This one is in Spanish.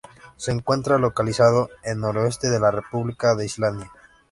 Se encuentra localizado al noroeste de la República de Islandia.